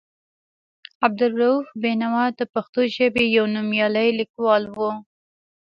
عبدالرؤف بېنوا د پښتو ژبې یو نومیالی لیکوال و.